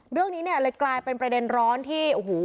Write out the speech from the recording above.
เรื่องนี้เลยกลายเป็นประเด็นร้อนที่